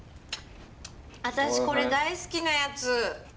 私これ大好きなやつ！